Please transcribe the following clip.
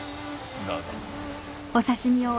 どうぞ。